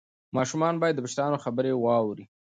ماشومان باید د مشرانو خبرې واوري.